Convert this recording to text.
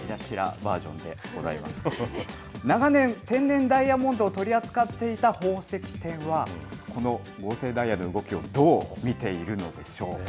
こちら、長年、天然ダイヤモンドを取り扱ってきた宝石店は、この合成ダイヤの動きをどう見ているのでしょうか。